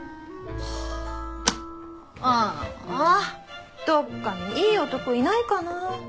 あーあどっかにいい男いないかなあ。